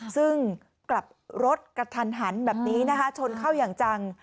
ซึ่งกลับรถกระทันหันแบบนี้นะคะชนเข้าอย่างจัง